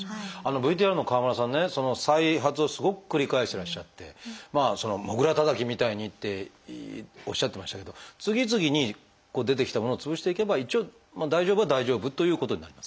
ＶＴＲの川村さんね再発をすごく繰り返していらっしゃってモグラたたきみたいにっておっしゃってましたけど次々に出てきたものを潰していけば一応大丈夫は大丈夫ということになりますか？